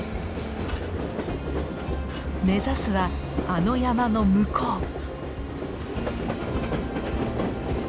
目指すはあの山の向こう。